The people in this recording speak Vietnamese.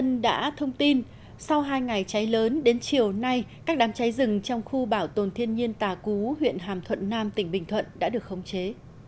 công an đã thông tin sau hai ngày cháy lớn đến chiều nay các đám cháy rừng trong khu bảo tồn thiên nhiên tà cú huyện hàm thuận nam tỉnh bình thuận đã được khống chế